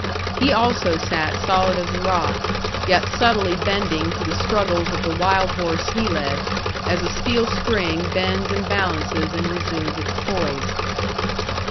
He also sat solid as a rock, yet subtly bending to the struggles of the wild horse he led, as a steel spring bends and balances and resumes its poise.